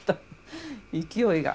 勢いが。